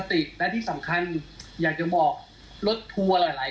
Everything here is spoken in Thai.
ตอนนี้ที่เราอยากจะรู้ว่า